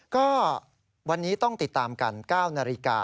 ก็วันนี้ต้องติดตามกัน๙นาฬิกา